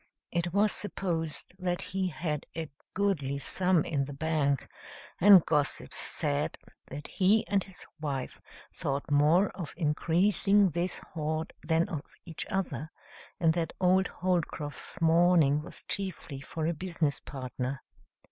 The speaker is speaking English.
It was supposed that he had a goodly sum in the bank, and gossips said that he and his wife thought more of increasing this hoard than of each other, and that old Holcroft's mourning was chiefly for a business partner.